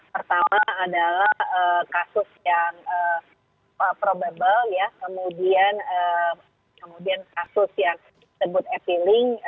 pertama adalah kasus yang probable ya kemudian kasus yang disebut appealing